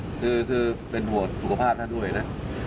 ใช่ใช่คือเป็นภวดสุขภาพท่านด้วยนะ